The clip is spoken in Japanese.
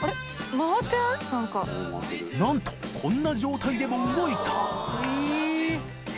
こんな状態でも動いた！